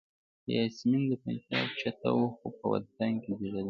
یاسمین د پنجاب جټه وه خو په وطن کې زیږېدلې.